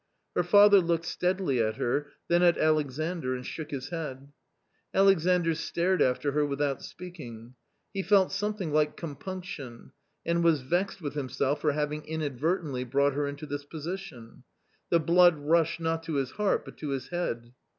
Her father looked steadily at her, then at Alexandr, and shook his head. Alexandr stared after her without speaking. He felt something like compunction, and was vexed with himself for having inadvertently brought her into this position ; the blood rushed not to his heart but to his head.